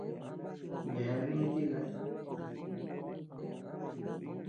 Yeabean lii tiká.